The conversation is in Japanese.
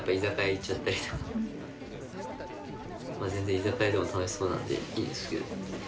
全然居酒屋でも楽しそうなんでいいんですけど。